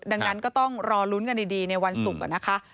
ดังนั้นก็ต้องรอลุ้นกันดีในวันศุกร์นะคะ